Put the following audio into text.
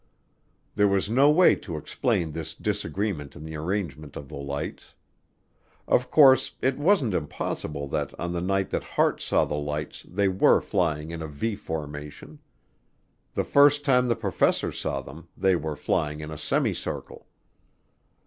There was no way to explain this disagreement in the arrangement of the lights. Of course, it wasn't impossible that on the night that Hart saw the lights they were flying in a V formation. The first time the professors saw them they were flying in a semicircle.